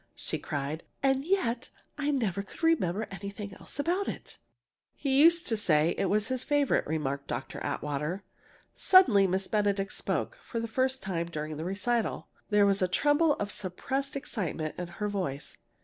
she cried. "And yet I never could remember anything else about it!" "He used to say it was his favorite," remarked Dr. Atwater. Suddenly Miss Benedict spoke, for the first time during the recital. There was a tremble of suppressed excitement in her voice.